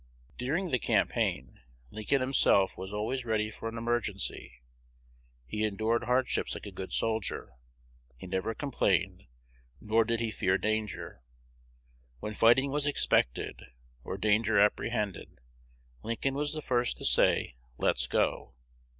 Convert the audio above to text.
During the campaign, Lincoln himself was always ready for an emergency. He endured hardships like a good soldier: he never complained, nor did he fear danger. When fighting was expected, or danger apprehended, Lincoln was the first to say, 'Let's go.'